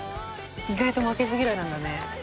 「意外と負けず嫌いなんだね」